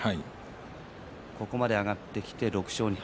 ここまで上がってきて６勝２敗。